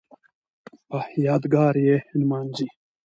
یادګار یې نمانځي